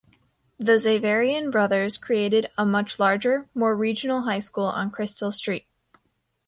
The Xaverian Brothers created a much larger, more regional high school on Crystal Street.